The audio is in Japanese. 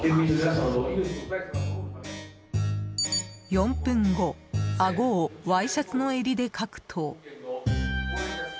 ４分後、あごをワイシャツのえりでかくと。